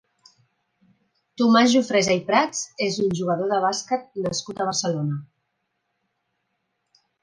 Tomàs Jofresa i Prats és un jugador de bàsquet nascut a Barcelona.